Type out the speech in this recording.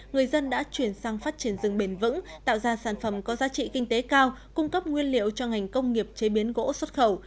người dân đã chuyển sang phát triển rừng bền vững tạo ra sản phẩm có giá trị kinh tế cao cung cấp nguyên liệu cho ngành công nghiệp chế biến gỗ xuất khẩu